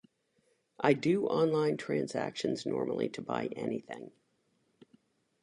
I do online transactions normally to buy anything.